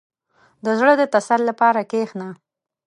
• د زړه د تسل لپاره کښېنه.